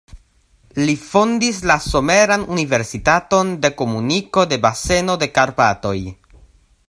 Li fondis la Someran Universitaton de Komuniko de Baseno de Karpatoj.